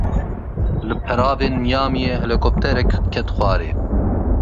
Li peravên Miamiyê helîkopterek ket xwarê.